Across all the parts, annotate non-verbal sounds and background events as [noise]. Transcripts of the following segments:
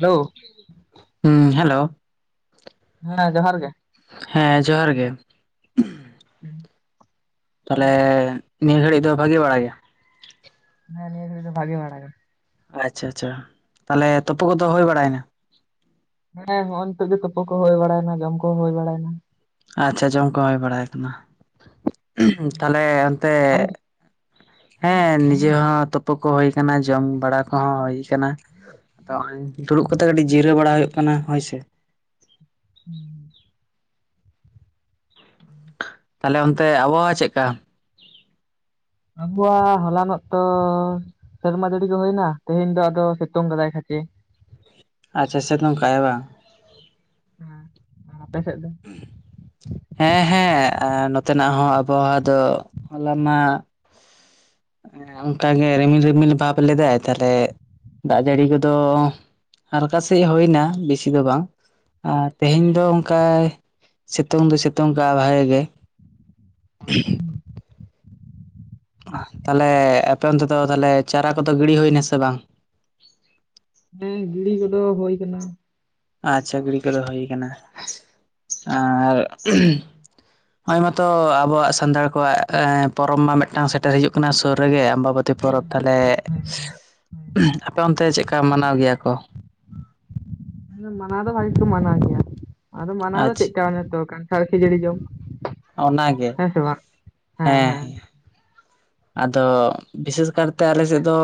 Hello ᱦᱩᱸᱻ hello ᱦᱮᱸ ᱡᱚᱦᱟᱨ ᱜᱮ᱾ ᱦᱮᱸ ᱡᱚᱦᱟᱨ ᱜᱮ᱾ [inaudible] ᱛᱟᱦᱞᱮ ᱱᱤᱭᱟᱹ ᱜᱷᱟᱹᱲᱤᱡ ᱫᱚ ᱵᱷᱟᱹᱜᱤ ᱵᱟᱲᱟ ᱜᱮᱭᱟ? ᱦᱮᱸ ᱱᱤᱭᱟ ᱜᱷᱟ. ᱲᱤᱡ ᱫᱚ ᱵᱷᱟ. ᱜᱤ ᱵᱟᱲᱟ ᱜᱮᱭᱟ᱾ ᱟᱪᱪᱷᱟ ᱟᱪᱪᱷᱟ᱾ ᱛᱟᱦᱞᱮ ᱛᱩᱯᱩ ᱠᱚᱫᱚ ᱦᱩᱭ ᱵᱟᱲᱟᱭᱮᱱᱟ? ᱦᱮᱸ ᱦᱚᱭ ᱱᱤᱛᱚᱜ ᱜᱮ ᱛᱩᱯᱩ ᱠᱚ ᱦᱩᱭ ᱵᱟᱲᱟᱭᱱᱟ ᱡᱚᱢ ᱠᱚᱦᱚᱸ ᱦᱩᱭ ᱵᱟᱲᱟᱭᱮᱱᱟ᱾ ᱟᱪᱪᱷᱟ ᱡᱚᱢ ᱠᱚ ᱦᱩᱭ ᱵᱟᱲᱟ ᱭᱮᱱᱟ᱾ᱦᱩᱸ᱾ ᱛᱟᱦᱚᱞᱮᱻ ᱚᱱᱛᱮᱻ ᱟᱢ ᱦᱮᱸ ᱱᱤᱡᱮ ᱦᱚᱸ ᱛᱩᱯᱩ ᱠᱚ ᱦᱩᱭ ᱟᱠᱟᱱᱟ᱾ ᱡᱚᱢ ᱵᱟᱲᱟ ᱠᱚᱦᱚᱸ ᱦᱩᱭ ᱟᱠᱟᱱᱟ᱾ ᱛᱚ ᱦᱚᱭ ᱫᱩᱲᱩᱵ ᱠᱟᱛᱮ ᱠᱟᱹᱴᱤᱡ ᱡᱤᱨᱟᱹᱣ ᱵᱟᱲᱟ ᱦᱩᱭᱩᱜ ᱠᱟᱱᱟ ᱦᱚᱭᱥᱮ᱾ [inaudible] ᱛᱟᱦᱞᱮ ᱚᱱᱛᱮ ᱟᱵᱚᱣᱟᱜ ᱪᱮᱫᱠᱟ? ᱟᱵᱚᱣᱟᱜ ᱦᱚᱞᱟᱱᱚᱜ ᱛᱚ ᱥᱮᱨᱢᱟ ᱡᱟᱹᱲᱤ ᱜᱮ ᱦᱩᱭᱱᱟ ᱛᱮᱦᱮᱧ ᱫᱚ ᱟᱫᱚ ᱥᱤᱛᱩᱝ ᱠᱟᱫᱟᱭ ᱠᱟ. ᱴᱤᱡ᱾ ᱟᱪᱪᱷᱟ ᱥᱮᱛᱩᱝ ᱟᱠᱟᱜ ᱟᱭ ᱵᱟᱝ᱾ ᱦᱮᱸ ᱟᱯᱮ ᱥᱮᱫ ᱫᱚ? ᱦᱮᱸᱻ ᱦᱮᱸᱻ ᱮ ᱱᱚᱛᱮᱱᱟᱜ ᱦᱚᱸ ᱟᱵᱚᱣᱟᱜ ᱫᱚ ᱦᱚᱞᱟ ᱢᱟ ᱚᱱᱠᱟᱜᱮ ᱨᱤᱢᱤᱞ ᱨᱤᱢᱤᱞ ᱵᱷᱟᱯ ᱞᱮᱫᱟᱭ ᱛᱟᱦᱞᱮ ᱫᱟᱜ ᱡᱟᱹᱲᱤ ᱠᱚᱫᱚ ᱦᱟᱞᱠᱟ ᱥᱟ. ᱦᱤᱡ ᱦᱩᱭᱱᱟ ᱵᱤᱥᱤ ᱫᱚ ᱵᱟᱝ ᱟᱨ ᱛᱮᱦᱮᱧ ᱫᱚ ᱚᱱᱠᱟᱭᱻ ᱥᱤ ᱥᱤᱛᱩᱝ ᱫᱚ ᱥᱤᱛᱩᱝ ᱠᱟᱜ ᱵᱷᱟᱭ ᱜᱮ᱾ ᱛᱟᱦᱞᱮ ᱟᱯᱮ ᱚᱱᱛᱮ ᱫᱚ ᱛᱟᱦᱞᱮ ᱪᱟᱨᱟ ᱠᱚᱫᱚ ᱜᱤᱲᱤ ᱦᱩᱭᱱᱟ ᱥᱮ ᱵᱟᱝ? ᱦᱮᱸ ᱜᱤᱲᱤ ᱠᱚᱫᱚ ᱦᱩᱭ ᱠᱟᱱᱟ᱾ ᱟᱪᱪᱷᱟ ᱜᱤᱲᱤ ᱠᱚ ᱫᱚ ᱦᱩᱭ ᱟᱠᱟᱱᱟ ᱟᱨ ᱟᱭ ᱢᱟᱛᱚ ᱟᱵᱚᱣᱟᱜ ᱥᱟᱱᱛᱟᱲ ᱠᱚᱣᱟᱜ ᱯᱚᱨᱚᱵᱽ ᱢᱟ ᱢᱤᱫᱴᱟᱝ ᱥᱮᱴᱮᱨ ᱦᱤᱡᱩᱜ ᱠᱟᱱᱟ ᱥᱩᱨ ᱨᱮᱜᱮ ᱟᱢᱵᱟ ᱯᱚᱨᱛᱤ ᱯᱚᱨᱚᱵᱽ ᱛᱟᱦᱞᱮ ᱟᱯᱮ ᱚᱱᱛᱮ ᱪᱮᱫᱠᱟ ᱢᱟᱱᱟᱣ ᱜᱮᱭᱟ ᱠᱚ? ᱟᱪᱪᱷᱟ [unintelligible] ᱚᱱᱟᱜᱮ᱾ ᱦᱮᱸ ᱥᱮ ᱵᱟᱝ ᱦᱮᱸ ᱦᱮᱸᱻ ᱟᱫᱚ ᱵᱤᱥᱮᱥ ᱠᱟᱨᱛᱮ ᱟᱞᱮ ᱥᱮᱫ ᱫᱚ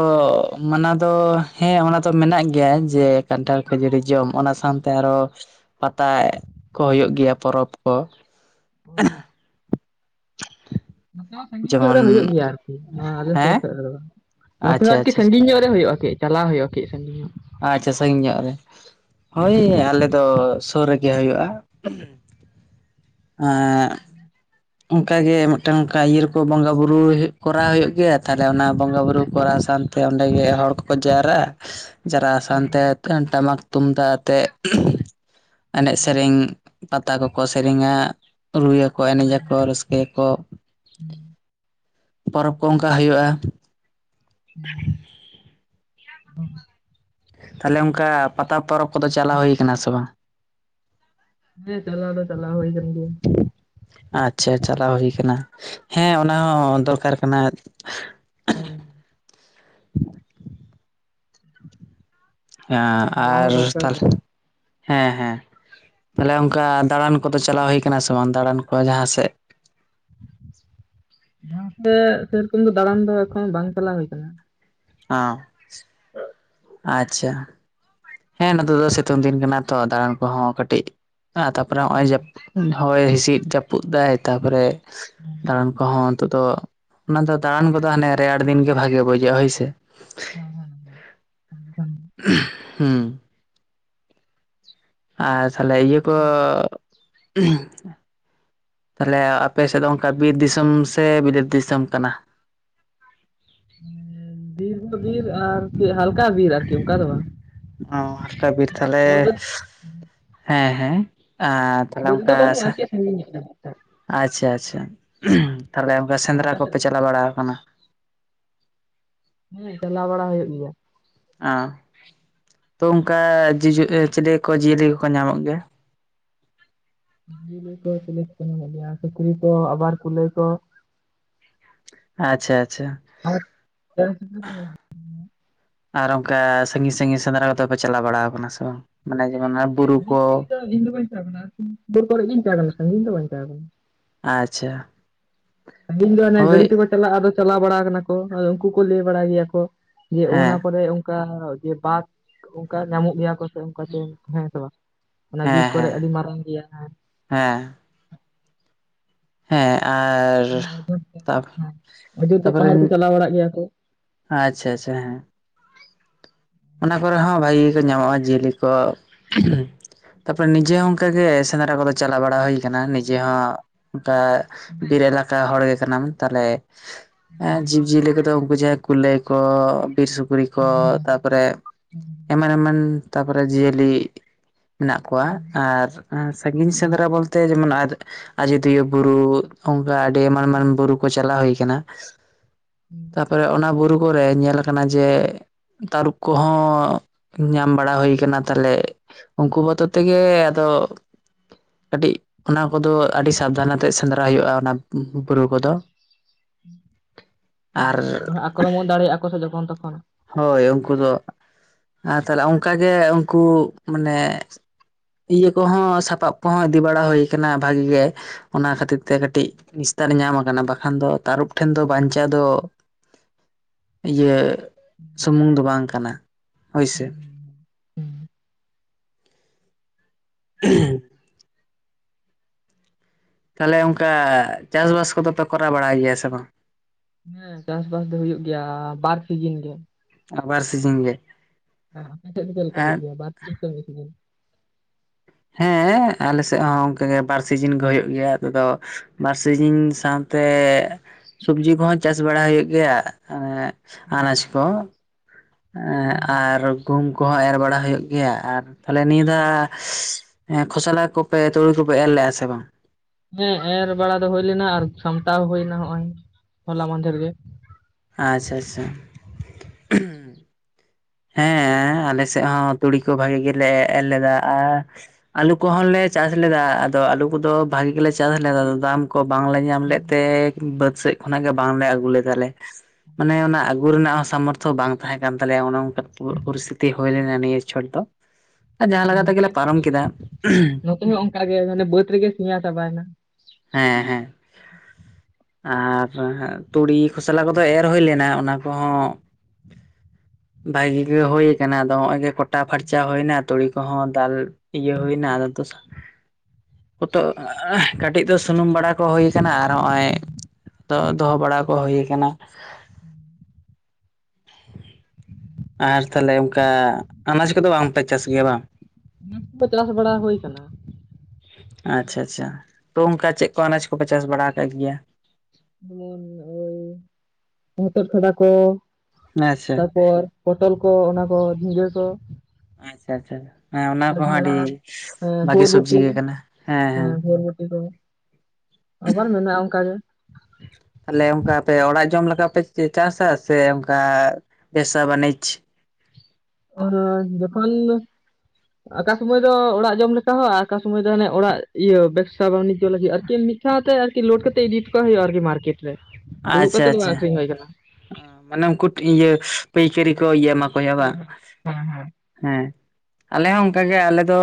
ᱢᱟᱱᱟ ᱫᱚ ᱦᱮᱸ ᱚᱱᱟ ᱫᱚ ᱢᱮᱱᱟᱜ ᱜᱮᱭᱟ᱾ ᱡᱮ ᱠᱟᱱᱴᱷᱟᱲ ᱡᱚᱢ ᱚᱱᱟ᱾ ᱥᱟᱶᱛᱮ ᱟᱨᱦᱚ ᱯᱟᱛᱟ ᱠᱚ ᱦᱩᱭᱩᱜ ᱜᱮᱭᱟ ᱯᱚᱨᱚᱵᱽ ᱠᱚ᱾ ᱚ᱾ ᱱᱚᱛᱮ ᱟᱚᱸ ᱥᱟᱺᱜᱤᱧ ᱧᱚᱜ ᱨᱮ ᱦᱩᱭᱩᱜ ᱡᱮᱢᱚᱱ ᱜᱮᱭᱟ᱾ ᱟᱞᱮ ᱥᱩᱨ ᱦᱮᱸ ᱥᱮᱫ ᱨᱮᱦᱚ᱾ ᱱᱚᱛᱮ ᱟᱪᱪᱷᱟ ᱵᱟ. ᱲᱛᱤ ᱟᱪᱪᱷᱟ ᱥᱟᱺᱜᱤᱧ ᱧᱚᱜ ᱨᱮ ᱦᱩᱭᱩᱜᱼᱟ᱾ ᱠᱟ. ᱡ ᱪᱟᱞᱟᱣ ᱦᱩᱭᱩᱜᱼᱟ ᱠᱟ. ᱡ ᱥᱟᱺᱜᱤ ᱧᱚᱜ᱾ ᱟᱪᱪᱷᱟ ᱥᱟᱺᱜᱤᱧ ᱧᱚᱜ ᱨᱮ᱾ ᱦᱳᱭ ᱟᱞᱮ ᱫᱚ ᱥᱩᱨ ᱨᱮᱜᱮ ᱦᱩᱭᱩᱜᱼᱟ᱾ [inaudible] ᱚᱱᱠᱟᱜᱮ ᱢᱤᱫᱴᱟ. ᱝ ᱚᱱᱠᱟ ᱤᱭᱟᱹ ᱨᱮᱠᱚ ᱵᱚᱸᱜᱟ ᱵᱩᱨᱩ ᱠᱚᱨᱟᱣ ᱦᱩᱭᱩᱜ ᱜᱮᱭᱟ᱾ ᱛᱟᱦᱞᱮ ᱚᱱᱟ ᱵᱚᱸᱜᱟ ᱵᱩᱨᱩ ᱠᱚᱨᱟᱣ ᱥᱟᱶ ᱛᱮ ᱚᱸᱰᱮᱜᱮ ᱦᱚᱲ ᱠᱚᱠᱚ ᱡᱟᱣᱨᱟᱜ ᱟ᱾ ᱡᱟᱨᱟᱜ-ᱟ ᱥᱟᱶᱛᱮ ᱴᱟᱢᱟᱠ ᱛᱩᱢᱫᱟᱜ ᱟᱛᱮᱜ ᱮᱱᱮᱡ ᱥᱮᱨᱮᱧ ᱯᱟᱛᱟ ᱠᱚᱠᱚ ᱥᱮᱨᱮᱧᱟ ᱨᱩᱭᱟᱠᱚ ᱮᱱᱮᱡ ᱟᱠᱚ᱾ ᱨᱟᱹᱥᱠᱟᱹᱭᱟᱠᱚ ᱯᱚᱨᱚᱵᱽ ᱠᱚ ᱚᱱᱠᱟ ᱦᱩᱭᱩᱜᱼᱟ᱾ [unintelligible] ᱛᱟᱦᱞᱮ ᱚᱱᱠᱟ ᱯᱟᱛᱟ ᱯᱚᱨᱚᱵᱽ ᱠᱚᱫᱚ ᱪᱟᱞᱟᱣ ᱦᱩᱭ ᱟᱠᱟᱱᱟ ᱥᱮ ᱵᱟᱝ? ᱦᱮᱸ ᱪᱟᱞᱟᱣ ᱫᱚ ᱪᱟᱞᱟᱣ ᱦᱩᱭ ᱠᱟᱱ ᱜᱮᱭᱟ᱾ ᱟᱪᱪᱷᱟ ᱪᱟᱞᱟᱣ ᱦᱩᱭ ᱟᱠᱟᱱᱟ᱾ ᱦᱮᱸ ᱚᱱᱟ ᱦᱚᱸ ᱫᱚᱨᱠᱟᱨ ᱠᱟᱱᱟ᱾ ᱦᱚᱭ᱾ ᱦᱮᱸ ᱪᱟᱞᱟᱣ ᱟᱨ ᱦᱚᱸ ᱫᱚᱨᱠᱟᱨ ᱛᱟᱦᱞᱮ ᱠᱟᱱᱟ᱾ ᱦᱮᱸ ᱦᱮᱸᱻ ᱛᱟᱦᱞᱮ ᱚᱱᱠᱟ ᱫᱟᱬᱟᱱ ᱠᱚᱫᱚ ᱪᱟᱞᱟᱣ ᱦᱩᱭ ᱟᱠᱟᱱᱟ ᱥᱮ ᱵᱟᱝ ᱫᱟᱬᱟᱱ ᱠᱚ ᱡᱟᱦᱟᱸ ᱥᱮᱫ? [unintelligible] ᱟ ᱟᱪᱪᱷᱟ᱾ ᱦᱮᱸ ᱱᱚᱛᱮ ᱫᱚ ᱥᱤᱛᱩᱝ ᱫᱤᱱ ᱠᱟᱱᱟ ᱛᱚ ᱫᱟᱬᱟᱱ ᱠᱚᱦᱚᱸ ᱠᱟᱹᱴᱤᱡ ᱟᱨ ᱛᱟᱯᱚᱨᱮ ᱱᱚᱜᱚᱭ ᱦᱚᱭ ᱦᱤᱸᱥᱤᱫ ᱡᱟᱹᱯᱩᱫ ᱫᱟᱭ ᱛᱟᱯᱚᱨᱮ ᱫᱟᱬᱟᱱ ᱠᱚᱦᱚᱸ ᱛᱚ ᱚᱱᱟ ᱫᱚ ᱫᱟᱬᱟᱱ ᱠᱚᱫᱚ ᱦᱟᱱᱮ ᱨᱮᱭᱟᱲ ᱫᱤᱱ ᱜᱮ ᱵᱷᱟ. ᱜᱤ ᱵᱩᱡᱟᱹᱜᱼᱟ ᱦᱳᱭ ᱥᱮ᱾ [unintelligible] ᱦᱩᱸᱻ ᱟᱨ ᱛᱟᱦᱞᱮ ᱤᱭᱟᱹ ᱠᱚ ᱛᱟᱦᱞᱮ ᱟᱯᱮ ᱥᱮᱫ ᱫᱚ ᱚᱱᱠᱟ ᱵᱤᱨ ᱫᱤᱥᱚᱢ ᱥᱮ ᱵᱤᱞᱟᱹᱛ ᱫᱤᱥᱚᱢ ᱠᱟᱱᱟ? [inaudible] ᱵᱤᱨ ᱫᱚ ᱵᱤᱨ ᱟᱨ ᱦᱟᱞᱠᱟ ᱵᱤᱨ ᱟᱨᱠᱤ ᱚᱱᱠᱟ ᱫᱚ ᱵᱟᱝ᱾ [unintelligible] ᱥᱩᱨ ᱨᱮ ᱦᱮᱸ ᱦᱮᱸᱻ ᱟᱨ ᱛᱟᱦᱞᱮ ᱥᱩᱨ ᱨᱮᱫᱚ ᱚᱱᱠᱟ ᱵᱟᱹᱱᱩᱜᱼᱟ ᱟᱪᱪᱷᱟ᱾ ᱠᱟᱹᱡ ᱥᱟᱺᱜᱤᱧ ᱧᱚᱜ ᱨᱮ ᱢᱤᱫᱴᱟᱝ᱾ ᱟᱪᱪᱷᱟ ᱛᱟᱦᱞᱮ ᱚᱱᱠᱟ ᱟᱨ ᱥᱮᱸᱫᱽᱨᱟ ᱟᱯᱮ ᱥᱮᱫ ᱠᱚᱯᱮ ᱫᱚ? ᱪᱟᱞᱟᱣ ᱵᱟᱲᱟ ᱟᱠᱟᱱᱟ? ᱦᱮᱸ ᱪᱟᱞᱟᱣ ᱵᱟᱲᱟ ᱦᱩᱭᱩᱜ ᱜᱮᱭᱟ᱾ ᱚᱦ ᱛᱚ ᱚᱱᱠᱟ ᱡᱩ ᱪᱤᱞᱮ ᱠᱚ ᱡᱤᱭᱟᱹᱞᱤ ᱠᱚᱠᱚ ᱧᱟᱢᱚᱜ ᱜᱮᱭᱟ? ᱡᱤᱭᱟᱹᱞᱤ ᱠᱚ ᱧᱟᱢᱚᱜ ᱜᱮᱭᱟ᱾ᱥᱩᱠᱨᱤ ᱠᱚ, ᱟᱵᱟᱨ ᱠᱩᱞᱟᱹᱭ ᱠᱚ, ᱟᱪᱪᱷᱟ ᱟᱪᱪᱷᱟ ᱟᱨ ᱟᱨ ᱚᱱᱠᱟ ᱥᱟᱺᱜᱤᱧ ᱥᱟᱜᱤᱧ ᱥᱮᱸᱫᱽᱨᱟ ᱠᱚᱫᱚ ᱯᱮ ᱪᱟᱞᱟᱣ ᱵᱟᱲᱟ ᱟᱠᱟᱱᱟ ᱥᱮ ᱵᱟᱝ? ᱢᱟᱱᱮ ᱡᱮᱢᱚᱱ ᱵᱩᱨᱩ ᱥᱟᱺᱤᱧ ᱠᱚ ᱥᱟᱺᱜᱤᱧ ᱫᱚ ᱤᱧ ᱫᱚ ᱵᱟᱹᱧ ᱛᱟᱦᱮᱸ ᱠᱟᱱᱟ᱾ ᱠᱚᱨᱮ ᱜᱤᱧ ᱛᱟᱦᱮᱸ ᱠᱟᱱᱟ ᱥᱟᱺᱜᱤᱧ ᱫᱚ ᱵᱟᱹᱧ ᱛᱟᱦᱮᱸ ᱠᱟᱱᱟ᱾ ᱟᱪᱪᱷᱟ ᱟᱹᱵᱤᱱ ᱫᱚ ᱚᱱᱮ ᱦᱳᱭ ᱜᱟᱹᱰᱤ ᱛᱮᱠᱚ ᱪᱟᱞᱟᱜᱼᱟ᱾ ᱟᱫᱚ ᱪᱟᱞᱟᱣ ᱵᱟᱲᱟ ᱟᱠᱟᱱᱟ ᱠᱚ ᱩᱱᱠᱩ ᱠᱚ ᱞᱟᱹᱭ ᱵᱟᱲᱟ ᱜᱮᱭᱟᱭ ᱠᱚ᱾ ᱡᱮ ᱦᱮᱸ ᱚᱱᱟ ᱠᱚᱨᱮ ᱚᱱᱠᱟ ᱡᱮ ᱵᱟᱫ ᱚᱱᱠᱟ ᱧᱟᱢᱚᱜ ᱜᱮᱭᱟ ᱠᱚ ᱚᱱᱠᱟᱛᱮ ᱦᱮᱸ ᱥᱮ ᱵᱟᱝ ᱚᱱᱟ ᱵᱤᱨ ᱦᱮᱸ ᱠᱚᱨᱮ ᱦᱮᱸ ᱟᱹᱰᱤ ᱢᱟᱨᱟᱝ ᱜᱮᱭᱟ ᱟᱨ ᱦᱮᱸ ᱦᱮᱸ ᱟᱨ ᱚᱡᱳᱫᱽᱫᱷᱟ ᱦᱮᱸ ᱚᱡᱳᱫᱽᱫᱷᱟ ᱛᱟᱨᱯᱚᱨᱮ ᱯᱟᱦᱟᱲ ᱠᱚ ᱪᱟᱞᱟᱣ ᱵᱟᱲᱟᱜ ᱜᱮᱭᱟ ᱠᱚ ᱟᱪᱪᱷᱟ ᱟᱪᱪᱷᱟ ᱦᱮᱸ ᱚᱱᱟ ᱠᱚᱨᱮ ᱦᱚᱸ ᱵᱷᱟᱹᱜᱤ ᱜᱮᱠᱚ ᱧᱟᱢᱚᱜᱼᱟ᱾ ᱡᱤᱭᱟᱹᱞᱤ ᱠᱚ ᱛᱟᱨᱯᱚᱨᱮ ᱱᱤᱡᱮ ᱦᱚᱸ ᱚᱱᱠᱟᱜᱮ ᱥᱮᱸᱫᱽᱨᱟ ᱠᱚᱫᱚ ᱪᱟᱞᱟᱣ ᱵᱟᱲᱟ ᱦᱩᱭ ᱠᱟᱱᱟ ᱱᱤᱡᱮ ᱦᱚᱸ ᱠᱟ ᱵᱤᱨ ᱮᱞᱟᱠᱟ ᱦᱚᱲ ᱜᱮ ᱠᱟᱱᱟᱢ ᱛᱟᱞᱦᱮᱸ ᱡᱤᱵ ᱡᱤᱭᱟᱹᱞᱤ ᱠᱚᱫᱚ ᱩᱱᱠᱩ ᱡᱟᱦᱟᱭ ᱠᱩᱞᱟᱹᱭ ᱠᱚ ᱵᱤᱨ ᱥᱩᱠᱨᱤ ᱠᱚ ᱛᱟᱯᱚᱨᱮ ᱮᱢᱟᱱ ᱮᱢᱟᱱ ᱛᱟ ᱯᱚᱨᱮ ᱡᱤᱭᱟᱹᱞᱤ ᱢᱮᱱᱟᱜ ᱠᱚᱣᱟ ᱟᱨ ᱥᱟᱺᱜᱤᱧ ᱥᱮᱸᱫᱽᱨᱟ ᱵᱚᱞᱛᱮ ᱡᱮᱢᱚᱱᱼᱼ ᱟᱡᱚᱫᱤᱭᱟᱹ ᱵᱩᱨᱩ ᱚᱱᱠᱟ ᱟᱹᱰᱤ ᱮᱢᱟᱱ ᱮᱢᱟᱱ ᱵᱩᱨᱩ ᱠᱚ ᱪᱟᱞᱟᱣ ᱦᱩᱭ ᱠᱟᱱᱟ᱾ ᱛᱟᱯᱚᱨᱮ ᱚᱱᱟ ᱵᱩᱨᱩ ᱠᱚᱨᱮ ᱧᱮᱞ ᱠᱟᱱᱟ ᱡᱮ ᱛᱟᱹᱨᱩᱵ ᱠᱚᱦᱚᱸ ᱧᱟᱢ ᱵᱟᱲᱟ ᱦᱩᱭ ᱠᱟᱱᱟ᱾ ᱛᱟᱦᱞᱮ ᱩᱱᱠᱩ ᱵᱚᱛᱚᱨ ᱛᱮᱜᱮ ᱟᱫᱚ ᱠᱟᱹᱴᱤᱡ ᱚᱱᱟ ᱠᱚᱫᱚ ᱟᱹᱰᱤ ᱥᱟᱵᱫᱷᱟᱱ ᱟᱛᱮᱜ ᱥᱮᱸᱫᱽᱨᱟ ᱦᱳᱭᱳᱜᱼᱟ᱾ ᱚᱱᱟ ᱵᱩᱨᱩ ᱠᱚᱫᱚ ᱟᱨ ᱟᱠᱨᱚᱢᱚᱱ ᱫᱟᱲᱮᱭᱟᱜᱼᱟ ᱠᱚ ᱥᱮ ᱡᱚᱠᱷᱚᱱ ᱛᱚᱠᱷᱚᱱ ᱦᱳᱭ ᱩᱱᱠᱩ ᱫᱚ ᱟᱨ ᱛᱟᱦᱞᱮ ᱚᱱᱠᱟᱜᱮ ᱩᱱᱠᱩ ᱢᱟᱱᱮ ᱤᱭᱟᱹ ᱠᱚᱦᱚᱸ ᱥᱟᱯᱟᱵ ᱠᱚᱦᱚᱸ ᱤᱫᱤ ᱵᱟᱲᱟ ᱦᱳᱭ ᱠᱟᱱᱟ ᱵᱷᱟᱜᱤ ᱜᱮ ᱚᱱᱟ ᱠᱟᱛᱤᱛ ᱛᱮ ᱠᱟᱹᱴᱤᱜ ᱮᱛᱟᱨ ᱧᱟᱢ ᱟᱠᱟᱱᱟ ᱵᱟᱠᱷᱟᱱ ᱫᱚ ᱛᱟᱹᱨᱩᱯ ᱴᱷᱮᱱ ᱫᱚ ᱵᱟᱧᱪᱟᱣ ᱫᱚ ᱤᱭᱟᱹ ᱥᱩᱢᱩᱝ ᱫᱚ ᱵᱟᱝ ᱠᱟᱱᱟ᱾ ᱦᱳᱭ ᱥᱮ [unintelligible] ᱛᱟᱦᱞᱮ ᱚᱝᱠᱟ ᱪᱟᱥ ᱵᱟᱥ ᱠᱚᱫᱚ ᱯᱮ ᱠᱚᱨᱟᱣ ᱵᱟᱲᱟᱭ ᱜᱮᱭᱟ ᱥᱮ ᱵᱟᱝ? ᱦᱮᱸ ᱪᱟᱥ ᱵᱟᱥ ᱫᱚ ᱦᱩᱭᱩᱜ ᱜᱮᱭᱟ ᱵᱟᱨ ᱥᱤᱡᱤᱱ ᱜᱮ᱾ ᱟᱵᱟᱨ‌ ᱥᱤᱡᱤᱱ ᱜᱮ ᱦᱮᱸ ᱟᱯᱮ ᱴᱷᱮᱱ ᱪᱮᱫ ᱞᱮᱠᱟ ᱟᱨ ᱦᱩᱭᱩᱜ ᱜᱮᱭᱟ ᱵᱟᱨ ᱛᱤᱥ ᱥᱮ ᱢᱤᱫ ᱥᱤᱡᱤᱱ ᱦᱮᱸ ᱟᱞᱮ ᱥᱮᱜ ᱦᱚᱸ ᱚᱱᱠᱟᱜᱮ ᱵᱟᱨ ᱥᱤᱡᱤᱱ ᱜᱮ ᱦᱳᱭᱳᱜ ᱜᱮᱭᱟ ᱟᱞᱮ ᱫᱚ ᱵᱟᱨ ᱥᱤᱡᱤᱱ ᱥᱟᱶ ᱛᱮ ᱥᱚᱵᱡᱤ ᱠᱚᱦᱚᱸ ᱪᱟᱥ ᱵᱟᱲᱟ ᱦᱳᱭᱳᱜ ᱜᱮᱭᱟ ᱮ ᱟᱱᱟᱡᱽ ᱠᱚ ᱮ ᱟᱨ ᱜᱩᱦᱩᱢ ᱠᱚᱦᱚᱸ ᱮᱨ ᱵᱟᱲᱟ ᱦᱳᱭᱳᱜ ᱜᱮᱭᱟ ᱟᱨ ᱛᱟᱦᱞᱮ ᱱᱤᱭᱟᱹ ᱫᱷᱟᱣ ᱮ ᱠᱷᱚᱥᱚᱞᱟ ᱠᱚᱯᱮ ᱛᱩᱲᱤ ᱠᱚᱯᱮ ᱮᱨ ᱞᱮᱼᱟ ᱥᱮ ᱵᱟᱝ? ᱦᱮᱸ ᱮᱨ ᱵᱟᱲᱟ ᱫᱚ ᱦᱳᱭ ᱞᱮᱱᱟ ᱟᱨ ᱥᱟᱢᱴᱟᱣ ᱦᱳᱭᱱᱟ ᱦᱚᱜᱼᱚᱭ ᱦᱚᱞᱟ ᱢᱟᱫᱷᱮᱨ ᱜᱮ ᱟᱪᱪᱷᱟ ᱟᱪᱪᱷᱟ ᱦᱮᱸ ᱦᱮᱸ ᱟᱞᱮ ᱥᱮᱜ ᱦᱚᱸ ᱛᱩᱲᱤ ᱠᱚ ᱵᱷᱟᱜᱤ ᱜᱮᱞᱮ ᱮᱨ ᱞᱮᱫᱟ ᱟᱨ ᱟᱞᱩ ᱠᱚᱦᱚᱸ ᱞᱮ ᱪᱟᱥ ᱞᱮᱫᱟ᱾ ᱟᱫᱚ ᱟᱞᱩ ᱠᱚᱫᱚ ᱵᱷᱟᱜᱤ ᱜᱮᱞᱮ ᱪᱟᱥ ᱞᱮᱫᱟ ᱫᱟᱢ ᱠᱚ ᱵᱟᱝᱞᱮ ᱧᱟᱢ ᱞᱮᱫ ᱛᱮ ᱵᱟᱹᱫᱽ ᱥᱮᱜ ᱠᱷᱚᱱᱟᱜ ᱜᱮ ᱵᱟᱝᱞᱮ ᱟᱹᱜᱩ ᱞᱮᱫᱟ ᱞᱮ ᱢᱟᱱᱮ ᱚᱱᱟ ᱟᱹᱜᱩ ᱨᱮᱱᱟᱜ ᱦᱚᱸ ᱥᱟᱢᱚᱨᱛᱷᱚ ᱵᱟᱝ ᱛᱟᱦᱮᱸ ᱠᱟᱱ ᱛᱟᱞᱮ ᱦᱩᱱᱟᱝ ᱯᱚᱨᱤᱥᱛᱤᱛᱤ ᱦᱳᱭ ᱞᱮᱱᱟ ᱱᱤᱭᱟᱹ ᱪᱚᱴ ᱫᱚ᱾ ᱟᱨ ᱡᱟᱦᱟᱸ ᱞᱮᱠᱟ ᱱᱚᱛᱮ, ᱛᱮᱜᱮᱞᱮ ᱯᱟᱨᱚᱢ ᱠᱮᱫᱟ ᱱᱚᱛᱮ ᱦᱚᱸ ᱚᱱᱠᱟᱜᱮ ᱵᱟᱹᱛ ᱨᱮᱜᱮ ᱥᱮᱭᱟ ᱪᱟᱵᱟᱭ ᱱᱟ ᱦᱮᱸ ᱦᱮᱸ ᱟᱨ ᱛᱩᱲᱤ ᱠᱷᱚᱥᱞᱟ ᱠᱚᱫᱚ ᱮᱨ ᱦᱳᱭ ᱞᱮᱱᱟ ᱚᱱᱟ ᱠᱚᱦᱚᱸ ᱵᱷᱟᱜᱤ ᱜᱮ ᱦᱳᱭ ᱠᱟᱱᱟ ᱟᱫᱚ ᱦᱚᱜᱼᱚᱭ ᱜᱮ ᱠᱚᱴᱟ ᱯᱷᱟᱨᱪᱟ ᱦᱳᱭ ᱱᱟ᱾ ᱛᱩᱲᱤ ᱠᱚᱦᱚᱸ ᱫᱟᱞ ᱤᱭᱟᱹ ᱦᱩᱭ ᱱᱟ ᱯᱚᱛᱚᱜ ᱠᱟᱹᱴᱤᱡ ᱫᱚ ᱥᱩᱱᱩᱢ ᱵᱟᱲᱟ ᱠᱚ ᱦᱳᱭ ᱠᱟᱱᱟ ᱟᱨ ᱦᱚᱜᱼᱚᱭ ᱫᱚ ᱫᱚᱦᱚᱸ ᱵᱟᱲᱟ ᱠᱚ ᱦᱳᱭ ᱠᱟᱱᱟ᱾ ᱟᱨ ᱛᱟᱦᱞᱮ ᱚᱝᱠᱟ ᱟᱱᱟᱡᱽ ᱠᱚᱫᱚ ᱵᱟᱝ ᱯᱮ ᱪᱟᱥ ᱜᱮᱭᱟ ᱵᱟ? ᱚᱱᱟ ᱠᱚ ᱪᱟᱥ ᱵᱟᱲᱟ ᱦᱳᱭ ᱠᱟᱱᱟ᱾ ᱟᱪᱪᱷᱟ ᱟᱪᱪᱷᱟ᱾ ᱛᱚ ᱚᱱᱠᱟ ᱪᱮᱫ ᱠᱚ ᱟᱱᱟᱡᱽ ᱠᱚᱯᱮ ᱪᱟᱥ ᱵᱟᱲᱟ ᱠᱟᱜ ᱜᱮᱭᱟ? ᱡᱮᱢᱚᱱ ᱳᱭ ᱦᱚᱛᱚᱫ ᱠᱷᱟᱰᱟ ᱠᱚ ᱟᱪᱪᱷᱟ ᱛᱟᱨᱯᱚᱨ ᱯᱚᱴᱚᱞ ᱠᱚ, ᱚᱱᱟ ᱠᱚ ᱡᱷᱤᱸᱜᱟᱹ ᱠᱚ, ᱟᱪᱪᱷᱟ ᱟᱪᱪᱷᱟ ᱦᱮᱸ ᱚᱱᱟ ᱟᱨ ᱠᱚᱦᱚᱸ ᱟᱹᱰᱤ ᱰᱷᱮᱸᱲᱚᱥ ᱵᱷᱟᱜᱮ ᱥᱚᱵᱽᱡᱤ ᱵᱷᱚᱨᱵᱚᱴᱤ ᱜᱮ ᱠᱟᱱᱟ ᱦᱮᱸ ᱦᱮᱸ ᱵᱷᱚᱨᱵᱚᱴᱤ ᱠᱚ ᱟᱵᱟᱨ ᱢᱮᱱᱟᱜᱼᱟ ᱚᱱᱠᱟ ᱜᱮ᱾ ᱛᱟᱦᱞᱮ ᱚᱱᱠᱟ ᱟᱯᱮ ᱚᱲᱟᱜ ᱡᱚᱢ ᱞᱮᱠᱟ ᱯᱮ ᱪᱟᱥ-ᱟ ᱥᱮ ᱚᱱᱠᱟ ᱵᱮᱥᱟ ᱵᱟᱱᱤᱡᱽ ᱟᱨ ᱡᱚᱠᱷᱚᱱ ᱟᱠᱟ ᱥᱩᱢᱟᱹᱭ ᱫᱚ ᱚᱲᱟᱜ ᱡᱚᱢ ᱞᱮᱠᱟ ᱦᱚᱸ ᱟᱠᱟ ᱥᱩᱢᱟᱹᱭ ᱫᱚ ᱦᱟᱱᱮ ᱚᱲᱟᱜ ᱤᱭᱟᱹ ᱵᱮᱵᱥᱟ ᱵᱟᱱᱤᱡᱽ ᱟᱨ ᱪᱮᱫ ᱮᱢ ᱢᱮᱱᱮᱫ ᱛᱟᱦᱮᱫ ᱟ ᱞᱳᱰ ᱠᱟᱛᱮ ᱤᱫᱤ ᱦᱩᱭᱩᱜᱼᱟ ᱟᱨᱠᱤ ᱢᱟᱨᱠᱮᱴ ᱨᱮ ᱫᱩᱲᱩᱵ ᱟᱪᱪᱷᱟ ᱠᱟᱛᱮ ᱫᱚ ᱵᱟᱝ ᱟᱪᱪᱷᱟ ᱟᱠᱷᱨᱤᱧ ᱦᱩᱭ ᱠᱟᱱᱟ ᱢᱟᱱᱮ ᱩᱱᱠᱩ ᱤᱭᱟᱹ ᱯᱟᱹᱭᱠᱟᱹᱨᱤ ᱠᱚ ᱤᱭᱟᱹ ᱢᱟ ᱠᱚ ᱵᱟᱝ᱾ ᱦᱮᱸ ᱟᱞᱮ ᱦᱚᱸ ᱚᱱᱠᱟᱜᱮ ᱟᱞᱮ ᱫᱚ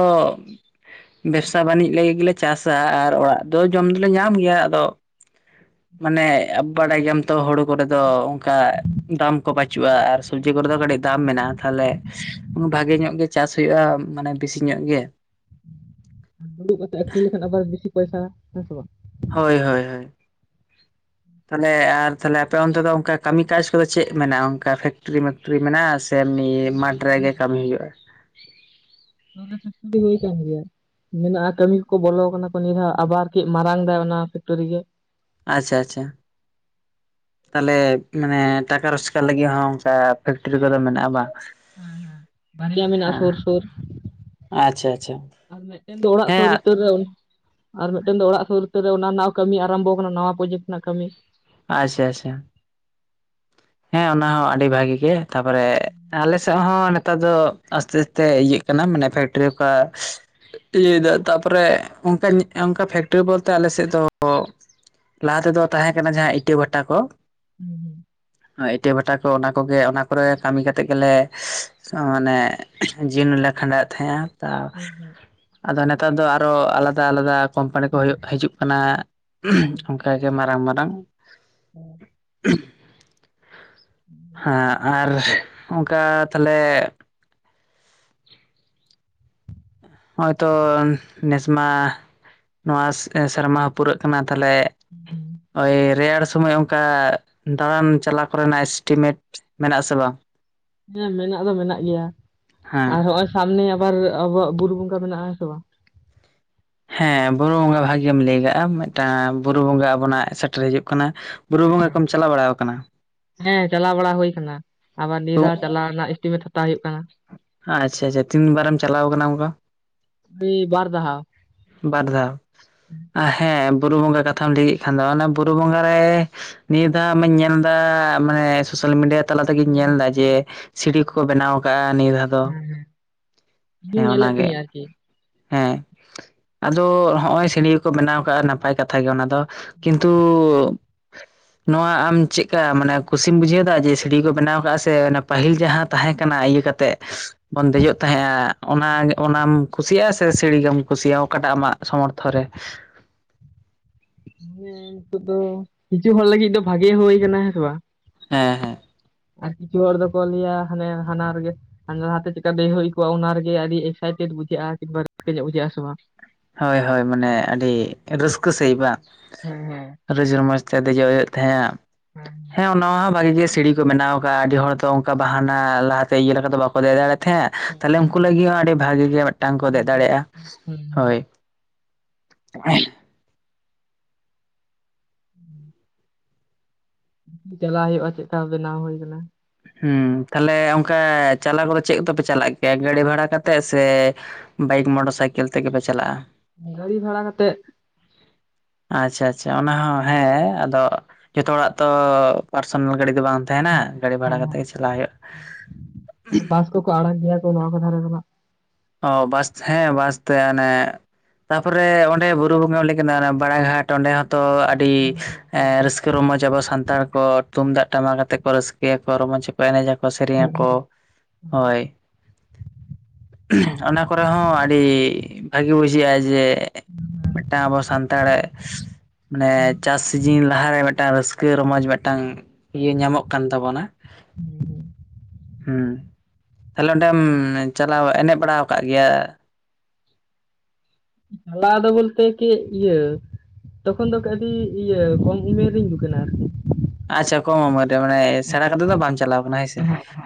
ᱵᱮᱵᱽᱥᱟ ᱵᱟᱹᱱᱤᱡᱽ ᱞᱟᱹᱜᱤᱫ ᱜᱮᱞᱮ ᱪᱟᱥᱟ ᱟᱨ ᱚᱲᱟᱜ ᱫᱚ ᱡᱚᱢ ᱫᱚᱞᱮ ᱧᱟᱢ ᱜᱮᱭᱟ᱾ ᱟᱫᱚ ᱢᱟᱱᱮ ᱵᱟᱲᱟᱭ ᱜᱮᱭᱟᱢ ᱛᱚ ᱦᱩᱲᱩ ᱠᱚᱨᱮ ᱫᱚ ᱚᱱᱠᱟ ᱫᱟᱢ ᱠᱚ ᱵᱟᱪᱩᱜ ᱪᱩᱜᱼᱟ ᱟᱨ ᱥᱚᱵᱽᱡᱤ ᱠᱚᱨᱮ ᱫᱚ ᱵᱟᱪᱩᱜ ᱟ ᱟᱨ ᱥᱚᱵᱡᱤ ᱠᱚᱨᱮ ᱫᱚ ᱠᱟᱹᱴᱤᱡ ᱫᱟᱢ ᱢᱮᱱᱟᱜᱼᱟ ᱛᱟᱦᱚᱞᱮ ᱵᱷᱟᱜᱮ ᱧᱚᱜ ᱜᱮ ᱪᱟᱥ ᱦᱩᱭᱩᱜᱼᱟ᱾ ᱢᱟᱱᱮ ᱵᱤᱥᱤ ᱧᱚᱜ ᱢᱮᱱᱟᱜ ᱜᱮ ᱫᱩᱲᱩᱵ ᱠᱟᱛᱮᱫ ᱟᱹᱠᱷᱨᱤᱧ ᱞᱮᱠᱷᱟᱱ ᱟᱵᱟᱨ ᱵᱮᱥᱤ ᱯᱚᱭᱥᱟ ᱦᱮᱸ ᱥᱮ ᱵᱟᱝ ᱦᱳᱭ ᱦᱳᱭ ᱦᱳᱭ ᱛᱟᱦᱚᱞᱮ ᱟᱨ ᱛᱟᱦᱞᱮ ᱟᱯᱮ ᱚᱱᱛᱮ ᱫᱚ ᱚᱱᱠᱟ ᱠᱟᱹᱢᱤ ᱠᱟᱡ ᱠᱚᱫᱚ ᱪᱮᱫ ᱢᱮᱱᱟᱜᱼᱟ ᱚᱱᱠᱟ ᱯᱷᱮᱠᱴᱨᱤ ᱢᱮᱠᱴᱨᱤ ᱢᱮᱱᱟᱜᱼᱟ? ᱥᱮ ᱦᱮᱸ ᱥᱩᱨ ᱢᱟᱴᱷ ᱨᱮᱜᱮ ᱠᱟᱹᱢᱤ ᱦᱩᱭᱩᱜᱼᱟ᱾ ᱠᱷ ᱠᱚᱭ ᱠᱟᱱᱢᱤ ᱜᱮᱭᱟ ᱱᱤᱭᱟᱹ ᱞᱟᱦᱟ ᱠᱟᱹᱢᱤ ᱠᱚᱠᱚ ᱵᱚᱞᱚ ᱠᱟᱱᱟ ᱠᱚ ᱱᱤᱭᱟᱹᱫᱷᱟᱣ ᱟᱵᱟᱨ ᱠᱟᱹᱡ ᱢᱟᱨᱟᱝ ᱫᱟᱭ ᱚᱱᱟ ᱯᱷᱮᱠᱴᱚᱨᱤ ᱜᱮ ᱟᱪᱪᱷᱟ ᱟᱪᱪᱷᱟ ᱛᱟᱞᱦᱮ ᱢᱟᱱᱮ ᱴᱟᱠᱟ ᱨᱳᱡᱽᱜᱟᱨ ᱞᱟᱹᱜᱤᱫ ᱦᱚᱸ ᱚᱱᱠᱟ ᱯᱷᱮᱠᱴᱨᱤ ᱠᱚᱫᱚ ᱢᱮᱱᱟᱜᱼᱟ ᱵᱟᱝ? ᱦᱮᱸ ᱦᱮᱸ ᱵᱟᱨᱭᱟ ᱢᱮᱱᱟᱜᱼᱟ ᱦᱮᱸ ᱥᱩᱨ - ᱥᱩᱨ᱾ ᱟᱪᱪᱷᱟ ᱟᱪᱪᱷᱟ ᱟᱨ ᱢᱮᱴᱮᱱ ᱫᱚ ᱚᱲᱟᱜ ᱦᱮᱸ ᱥᱩᱨ ᱩᱛᱟᱹᱨ ᱨᱮ ᱟᱨ ᱢᱤᱫᱴᱮᱱ ᱫᱚ ᱚᱲᱟᱜ ᱥᱳᱨ ᱩᱛᱟᱹᱨ ᱨᱮ ᱚᱱᱟ ᱨᱮᱱᱟᱜ ᱠᱟᱹᱢᱤ ᱟᱨᱟᱢᱵᱚ ᱟᱠᱟᱱᱟ ᱱᱟᱣᱟ ᱯᱨᱚᱡᱮᱠᱴ ᱨᱮᱱᱟᱜ ᱠᱟᱹᱢᱤ ᱟᱪᱪᱷᱟ ᱟᱪᱪᱷᱟ ᱦᱮᱸ ᱚᱱᱟ ᱦᱚᱸ ᱟᱹᱰᱤ ᱵᱷᱟᱜᱤ ᱜᱮ ᱛᱟᱯᱚᱨᱮ ᱟᱞᱮᱥᱮᱫ ᱦᱚᱸ ᱱᱮᱛᱟᱨ ᱫᱚ ᱟᱥᱛᱮ ᱟᱥᱛᱮ ᱤᱭᱟᱹᱜ ᱠᱟᱱᱟ᱾ ᱢᱟᱱᱮ ᱯᱷᱴᱠᱟ ᱤᱭᱟᱹ ᱛᱟᱯᱚᱨᱮ ᱚᱱᱠᱟ ᱯᱷᱮᱠᱴᱨᱤ ᱵᱚᱞᱛᱮ ᱟᱞᱮ ᱟᱞᱮ ᱥᱮᱫ ᱫᱚ ᱞᱟᱦᱟ ᱛᱮᱫᱚ ᱛᱟᱦᱮᱸ ᱠᱟᱱᱟ ᱡᱟᱦᱟᱸ ᱤᱴᱟᱹ ᱵᱷᱟᱴᱟ ᱠᱚ᱾ ᱦᱮᱸ ᱦᱩᱸ ᱮᱴᱟᱹ ᱵᱷᱟᱴᱟ ᱠᱚ ᱚᱱᱟ ᱠᱚᱜᱮ ᱚᱱᱟ ᱠᱚᱨᱮ ᱠᱟᱹᱢᱤ ᱠᱟᱛᱮᱜᱴ ᱜᱮᱞᱮ ᱢᱟᱱᱮ ᱞᱮ ᱠᱷᱟᱸᱰᱟᱣᱮᱫ ᱛᱟᱦᱮᱸᱜᱼᱟ᱾ ᱛᱟ ᱦᱩᱸ ᱦᱩᱸ ᱟᱫᱚ ᱱᱮᱛᱟᱨ ᱫᱚ ᱟᱨᱚ ᱟᱞᱟᱫᱟ ᱟᱞᱟᱫᱟ ᱠᱳᱢᱯᱟᱱᱤ ᱠᱚ ᱦᱤᱡᱩᱜ ᱠᱟᱱᱟ᱾ ᱦᱩᱸ ᱦᱩᱸ ᱚᱱᱠᱟᱜᱮ ᱢᱟᱨᱟᱝ ᱢᱟᱨᱟᱝ ᱦᱩᱸ ᱦᱮᱸ ᱟᱨ ᱚᱱᱠᱟ ᱛᱟᱦᱞᱮ ᱦᱚᱸᱜᱼᱚᱭ ᱛᱚ ᱱᱮᱥᱢᱟ ᱱᱚᱣᱟ ᱥᱮᱨᱢᱟ ᱦᱚᱸ ᱯᱩᱨᱟᱹᱜ ᱠᱟᱱᱟ ᱛᱟᱦᱞᱮ ᱳᱭ ᱨᱮᱭᱟᱲ ᱥᱚᱢᱚᱭ ᱚᱱᱠᱟ ᱫᱟᱬᱟᱱ ᱪᱟᱞᱟᱣ ᱠᱚᱨᱮᱱᱟᱜ ᱮᱥᱴᱤᱢᱮᱴ ᱢᱮᱱᱟᱜ ᱟᱥᱮ ᱵᱟᱝ? ᱦᱮᱸ ᱢᱮᱱᱟᱜ ᱫᱚ ᱢᱮᱱᱟᱜ ᱜᱮᱭᱟ ᱦᱮᱸ ᱟᱨ ᱱᱚᱸᱜᱚᱭ ᱥᱟᱢᱱᱮ ᱟᱵᱟᱨ ᱟᱵᱚᱣᱟᱜ ᱵᱩᱨᱩ ᱜᱚᱝᱜᱟ ᱢᱮᱱᱟᱜᱼᱟ ᱦᱮᱸ ᱥᱮ ᱵᱟᱝ? ᱦᱮᱸ ᱵᱩᱨᱩ ᱵᱚᱸᱜᱟ ᱵᱷᱟᱜᱮᱢ ᱞᱟᱹᱭ ᱠᱟᱜᱼᱟ᱾ ᱢᱤᱫᱴᱟᱝ ᱵᱩᱨᱩ ᱵᱚᱸᱜᱟ ᱟᱵᱚᱱᱟᱜ ᱥᱮᱴᱮᱨ ᱦᱤᱡᱩᱜ ᱠᱟᱱᱟ ᱵᱩᱨᱩ ᱵᱚᱸᱜᱟ ᱠᱚᱢ ᱪᱟᱞᱟᱣ ᱵᱟᱲᱟᱣ ᱠᱟᱱᱟ? ᱦᱮᱸ ᱪᱟᱞᱟᱣ ᱵᱟᱲᱟ ᱦᱩᱭ ᱟᱠᱟᱱᱟ ᱟᱵᱟᱨ ᱱᱤᱭᱟᱹ ᱛᱚ ᱫᱷᱟᱣ ᱪᱟᱞᱟᱣ ᱨᱮᱱᱟᱜ ᱮᱥᱴᱤᱢᱮᱴ ᱦᱟᱛᱟᱣ ᱦᱩᱭᱩᱜ ᱠᱟᱱᱟ᱾ ᱟᱪᱪᱷᱟ ᱟᱪᱪᱷᱟ ᱛᱤᱱᱵᱟᱨᱮᱢ ᱪᱟᱞᱟᱣ ᱠᱟᱱᱟ ᱚᱱᱠᱟ? ᱟᱹᱰᱤ ᱵᱟᱨ ᱫᱟᱣ᱾ ᱵᱟᱨ ᱫᱷᱟᱣ ᱦᱮᱸ ᱵᱩᱨᱩ ᱵᱚᱸᱜᱟ ᱠᱟᱛᱷᱟᱢ ᱞᱟᱹᱭᱮᱫ ᱠᱷᱟᱱ ᱫᱚ ᱚᱱᱟ ᱵᱩᱨᱩ ᱵᱚᱸᱜᱟ ᱨᱮ ᱱᱤᱭᱟᱹ ᱫᱷᱟᱣ ᱢᱟᱧ ᱧᱮᱞ ᱮᱫᱟ ᱢᱟᱱᱮ ᱥᱳᱥᱟᱞ ᱢᱤᱰᱤᱭᱟ ᱛᱟᱞᱟ ᱛᱮᱜᱮᱧ ᱦᱮᱸ ᱧᱮᱞ ᱦᱮᱸ ᱮᱫᱟ ᱡᱮ ᱥᱤᱲᱤ ᱠᱚᱠᱚ ᱵᱮᱱᱟᱣ ᱟᱠᱟᱫᱟᱼᱟ᱾ ᱱᱤᱭᱟᱹ ᱫᱷᱟᱣ ᱫᱚ ᱦᱮᱸ ᱦᱮᱸ ᱤᱧᱤᱧ ᱦᱮᱸ ᱧᱮᱞᱮᱫ ᱚᱱᱟᱜᱮ ᱛᱟᱦᱮᱸᱜᱼᱟ ᱟᱨᱠᱤ ᱦᱮᱸ ᱟᱫᱚ ᱦᱚᱜᱼᱚᱭ ᱥᱤᱲᱤᱠᱚ ᱵᱮᱱᱟᱣ ᱠᱟᱜᱼᱟ᱾ ᱱᱟᱯᱟᱭ ᱠᱟᱛᱷᱟ ᱜᱮ ᱚᱱᱟ ᱫᱚ ᱠᱤᱱᱛᱩ ᱱᱚᱣᱟ ᱟᱢ ᱪᱮᱫᱠᱟ ᱢᱟᱱᱮ ᱠᱩᱥᱤᱢ ᱵᱩᱡᱷᱟᱹᱣᱮᱫᱟ ᱡᱮ ᱥᱤᱲᱤ ᱠᱚ ᱵᱮᱱᱟᱣ ᱟᱠᱟᱫ ᱥᱮ ᱯᱟᱹᱦᱤᱞ ᱡᱟᱦᱟᱸ ᱛᱟᱦᱮᱸ ᱠᱟᱱᱟ ᱠᱟᱛᱮ ᱵᱚᱱ ᱫᱮᱡᱚᱜ ᱛᱟᱦᱮᱸᱜᱼᱟ ᱚᱱᱟ ᱚᱱᱟᱢ ᱠᱩᱥᱤᱭᱟᱜᱼᱟ ᱥᱮ ᱥᱤᱲᱤ ᱜᱮᱢ ᱠᱩᱥᱤᱭᱟᱜᱼᱟ? ᱚᱠᱟᱴᱟᱜ ᱟᱢᱟᱜ ᱥᱢᱚᱨᱛᱷᱚ ᱨᱮ ᱦᱟᱱᱮ ᱱᱤᱛᱚᱜ ᱫᱚ ᱠᱤᱪᱷᱩ ᱦᱚᱲ ᱞᱟᱹᱜᱤᱫ ᱫᱚ ᱵᱷᱟᱜᱤ ᱦᱩᱭ ᱠᱟᱱᱟ ᱦᱮᱸ ᱥᱮ ᱵᱟᱝ ᱦᱮᱸ ᱦᱮᱸ ᱟᱨ ᱠᱤᱪᱷᱩ ᱦᱚᱲ ᱫᱚᱠᱚ ᱞᱟᱹᱭᱟ ᱦᱟᱱᱮ ᱦᱟᱱᱟ ᱨᱮᱜᱮᱟᱱ ᱞᱟᱦᱟᱛᱮ ᱪᱮᱠᱟ ᱫᱮᱡ ᱦᱩᱭ ᱠᱚᱜᱼᱟ ᱚᱱᱟ ᱨᱮᱜᱮ ᱟᱹᱰᱤ ᱮᱠᱥᱟᱭᱴᱮᱰ ᱵᱩᱡᱷᱟᱹᱣᱼᱟ ᱥᱮ ᱦᱳᱭ ᱦᱳᱭ ᱢᱟᱱᱮ ᱟᱹᱰᱤ ᱨᱟᱹᱥᱠᱟᱹ ᱥᱟᱺᱦᱤᱡ ᱵᱟᱝ ᱦᱮᱸ ᱦᱮᱸ ᱨᱡᱽ ᱨᱚᱢᱚᱡᱽ ᱠᱷᱟᱞᱤ ᱜᱮ ᱦᱩᱭᱩᱜ ᱛᱟᱦᱮᱸᱱᱟ ᱦᱮᱸ ᱚᱱᱟ ᱢᱟ ᱵᱷᱟᱜᱤ ᱜᱮ ᱥᱤᱲᱤ ᱠᱚ ᱵᱮᱱᱟᱣ ᱟᱠᱟᱫᱼᱟ᱾ ᱟᱹᱰᱤ ᱦᱚᱲ ᱫᱚ ᱚᱱᱠᱟ ᱵᱟᱦᱟᱱᱟ ᱞᱟᱦᱟᱛᱮ ᱤᱭᱟᱹ ᱞᱮᱠᱟ ᱫᱚ ᱵᱟᱠᱚ ᱫᱮᱡ ᱫᱟᱲᱮᱭᱟᱜ ᱛᱷᱮᱜ ᱦᱮᱸ ᱛᱟᱦᱞᱮ ᱦᱮᱸ ᱩᱱᱠᱩ ᱞᱟᱹᱜᱤᱫ ᱦᱚᱸ ᱟᱹᱰᱤ ᱵᱷᱟᱜᱤ ᱜᱮ ᱢᱤᱫᱴᱟᱝ ᱠᱚ ᱦᱮᱸ ᱫᱮᱡ ᱦᱮᱸ ᱫᱟᱲᱮᱭᱟᱜᱼᱟ᱾ ᱦᱮᱸ ᱦᱮᱸ ᱦᱳᱭ ᱦᱮᱸ [unintelligible] [inaudible] ᱪᱟᱞᱟᱜ ᱦᱩᱭᱩᱜᱼᱟ᱾ ᱪᱮᱫᱠᱟ ᱵᱮᱱᱟᱣ ᱦᱩᱭ ᱟᱠᱟᱱᱟ᱾ ᱦᱮᱸ ᱛᱟᱦᱞᱮ ᱚᱱᱠᱟ ᱪᱟᱞᱟᱣ ᱠᱚᱫᱚ ᱪᱮᱫ ᱠᱚᱛᱮᱯᱮ ᱪᱟᱞᱟᱜ ᱜᱮᱭᱟ ᱜᱟᱹᱰᱤ ᱵᱷᱟᱲᱟ ᱠᱟᱛᱮᱜ ᱥᱮ ᱵᱟᱭᱼᱼ ᱤᱧ ᱢᱚᱴᱚᱨ ᱥᱟᱭᱠᱮᱞ ᱛᱮᱜᱮᱯᱮ ᱪᱟᱞᱟᱜᱼᱟ? ᱜᱟᱹᱲᱤ ᱵᱷᱟᱲᱟ ᱠᱟᱛᱮᱫ ᱟᱪᱪᱷᱟ ᱟᱪᱪᱷᱟ ᱚᱱᱟ ᱦᱚᱸ ᱦᱮᱸ ᱟᱫᱚ ᱡᱚᱛᱚ ᱦᱚᱲᱟᱜ ᱛᱚ ᱯᱟᱨᱥᱚᱱᱟᱞ ᱜᱟᱹᱰᱤ ᱫᱚ ᱵᱟᱝ ᱛᱟᱦᱮᱱᱟ ᱜᱟᱹᱰᱤ ᱦᱮᱸ ᱵᱷᱟᱲᱟ ᱠᱟᱛᱮ ᱦᱮᱸ ᱜᱮ ᱪᱟᱞᱟᱜ ᱦᱩᱭᱩᱜᱼᱟ᱾ ᱥᱮ ᱱᱚᱣᱟ ᱠᱚ ᱫᱷᱟᱨᱮᱨᱮ ᱫᱚ ᱵᱟᱝ ᱚ ᱵᱟᱥ ᱦᱮᱸ ᱵᱟᱥᱛᱮ ᱟᱱᱮ ᱛᱟᱯᱚᱨᱮ ᱚᱸᱰᱮ ᱵᱩᱨᱩ ᱵᱚᱸᱜᱟ ᱞᱟᱹᱭ ᱠᱮᱫ-ᱟ ᱚᱱᱟ ᱵᱟᱲᱟᱟᱜᱷᱟᱴ ᱚᱸᱰᱮ ᱦᱚᱸ ᱛᱚ ᱟᱹᱰᱤ ᱟᱪᱪᱷᱟ ᱨᱟᱹᱥᱠᱟᱹ ᱨᱚᱢᱚᱚᱡ ᱟᱵᱚ ᱥᱟᱱᱛᱟᱲ ᱠᱚ ᱛᱩᱢᱫᱟᱜ ᱴᱟᱢᱟᱠᱛᱮ ᱠᱚ ᱨᱟᱹᱥᱠᱟᱹᱭᱟᱠᱚ ᱨᱚᱢᱚᱡᱽ ᱠᱚᱠᱚ ᱮᱱᱮᱡ ᱟᱠᱚ ᱵᱟ ᱥᱮᱨᱮᱧ ᱟᱠᱚ ᱦᱚᱭ ᱚᱱᱟ ᱠᱚᱨᱮᱦᱚ ᱟᱹᱰᱤ ᱵᱷᱟᱹᱜᱤ ᱵᱩᱡᱷᱟᱹᱜᱼᱟ ᱡᱮ ᱢᱤᱫᱴᱟᱝ ᱟᱵᱚ ᱥᱟᱱᱛᱟᱲ ᱢᱟᱱᱮ ᱪᱟᱥ ᱥᱤᱡᱤᱱ ᱞᱟᱦᱟᱨᱮ ᱢᱤᱫᱴᱟᱝ ᱨᱟᱹᱥᱠᱟᱹ ᱠᱟ. ᱨᱟᱹᱥᱠᱟᱹ ᱨᱚᱢᱚᱡᱽ ᱢᱤᱫᱴᱟᱝ ᱤᱭᱟᱹ ᱧᱟᱢᱚᱜ ᱠᱟᱱ ᱛᱟᱵᱚᱱᱟ᱾ [inaudible] ᱦᱮᱸ ᱛᱟᱦᱞᱮ ᱚᱸᱰᱮᱢ ᱪᱟᱞᱟᱣ ᱮᱱᱮᱡ ᱵᱟᱲᱟᱣ ᱠᱟᱜ ᱜᱮᱭᱟ? ᱱᱚᱣᱟ ᱫᱚ ᱩᱞ ᱵᱚᱞᱛᱮ ᱠᱤ ᱤᱭᱟᱹ ᱛᱚᱠᱷᱚᱱ ᱫᱚ ᱟᱹᱰᱤ ᱤᱭᱟᱹ ᱠᱚᱢ ᱩᱢᱮᱨᱤᱧ ᱫᱩᱠᱷᱱᱟ ᱟᱪᱪᱷᱟ ᱠᱚᱢ ᱩᱢᱮᱨ ᱨᱮ ᱢᱟᱱᱮ ᱥᱮᱬᱟ ᱠᱟᱛᱮ ᱫᱚ ᱵᱟᱢ ᱪᱟᱞᱟᱣ ᱠᱟᱱᱟ ᱦᱮᱸ ᱥᱮ